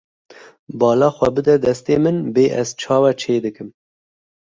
Bala xwe bide destê min bê ez çawa çêdikim.